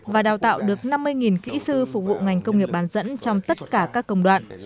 và đào tạo được năm mươi kỹ sư phục vụ ngành công nghiệp bán dẫn trong tất cả các công đoạn